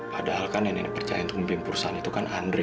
padahal kan nenek percaya tumpim pursan itu kan andri